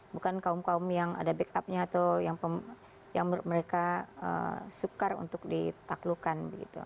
bukan kaum kaum yang ada backupnya atau yang mereka sukar untuk ditaklukkan